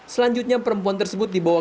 selanjutnya perempuan tersebut dibawa